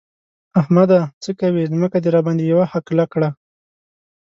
احمده! څه کوې؛ ځمکه دې راباندې يوه حقله کړه.